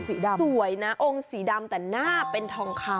โอ้งสีดำสวยนะโอ้งสีดำแต่หน้าเป็นทองคำ